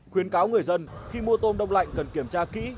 khuyến cáo người dân khi mua tôm đông lạnh cần kiểm tra kỹ